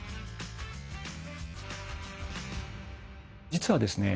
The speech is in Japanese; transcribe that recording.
実はですね